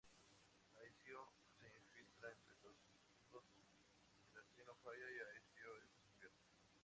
Aecio se infiltra entre los hunos, el asesino falla y Aecio es descubierto.